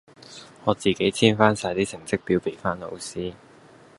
我自己簽返曬啲成績表俾返老師。